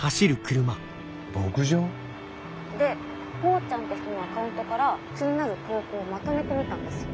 牧場？でほーちゃんって人のアカウントから気になる投稿をまとめてみたんです。